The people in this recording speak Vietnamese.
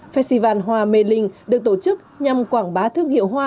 festival hoa mê linh được tổ chức nhằm quảng bá thương hiệu hoa